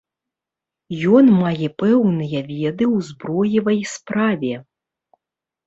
Ён мае пэўныя веды ў зброевай справе.